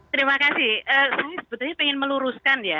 terima kasih kami sebetulnya ingin meluruskan ya